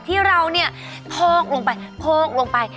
ที่เราเนี่ยพอกลงไปโพกลงไป